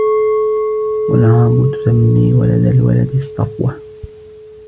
وَالْعَرَبُ تُسَمِّي وَلَدَ الْوَلَدِ الصَّفْوَةَ